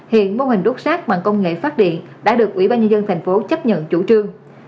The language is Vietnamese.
hiện mô hình đốt xác bằng công nghệ phát điện đã được ủy ban nhân dân thành phố chấp nhận chủ trương